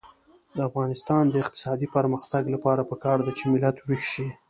د افغانستان د اقتصادي پرمختګ لپاره پکار ده چې ملت ویښ شي.